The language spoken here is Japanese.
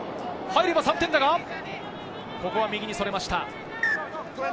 入れば３点だが、右にそれました。